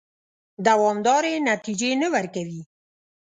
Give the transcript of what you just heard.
دوامدارې نتیجې نه ورکوي.